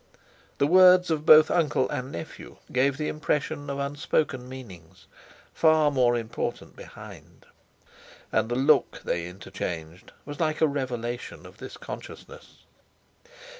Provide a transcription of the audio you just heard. The words of both uncle and nephew gave the impression of unspoken meanings, far more important, behind. And the look they interchanged was like a revelation of this consciousness.